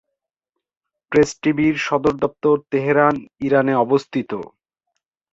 Press টিভির সদর দপ্তর তেহরান, ইরানে অবস্থিত।